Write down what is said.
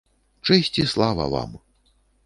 Чэсць і слава вам!